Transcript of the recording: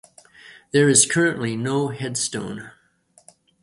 There is currently no headstone.